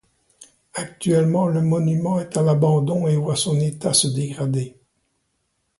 Actuellement, le monument est à l'abandon et voit son état se dégrader.